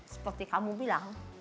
seperti kamu bilang